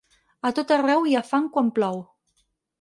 A tot arreu hi ha fang quan plou.